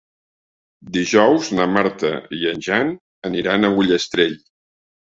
Dijous na Marta i en Jan aniran a Ullastrell.